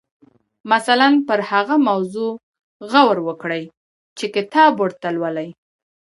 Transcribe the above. مثلاً پر هغه موضوع غور وکړئ چې کتاب ورته لولئ.